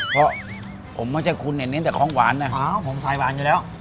เพราะผมไม่ใช่คุณเนี่ยเน้นแต่ของหวานนะผมสายหวานอยู่แล้ว